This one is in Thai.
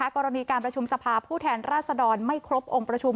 กรณีการประชุมสภาผู้แทนราษฎรไม่ครบองค์ประชุม